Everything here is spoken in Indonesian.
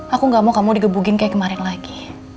aku gak mau kamu digebukin kayak kemarin lagi